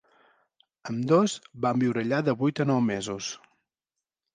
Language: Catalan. Ambdós van viure allà de vuit a nou mesos.